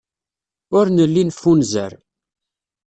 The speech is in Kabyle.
Ur nelli neffunzer.